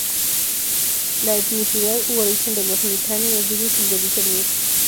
La etnicidad u origen de los mitanni es difícil de discernir.